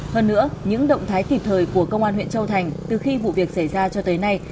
hơn nữa những động thái kịp thời của công an huyện châu thành từ khi vụ việc xảy ra cho tới nay